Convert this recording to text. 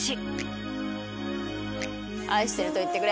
『愛していると言ってくれ』。